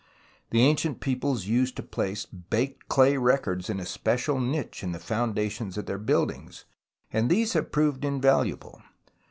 The ancient peoples used to place baked clay records in a special niche in the foundations of their buildings, and these have proved invaluable.